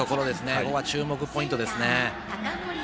ここは注目ポイントですよね。